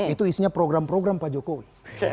itu isinya program program pak jokowi